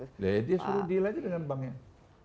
ya dia suruh deal aja dengan banknya